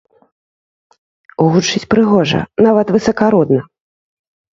Гучыць прыгожа, нават высакародна.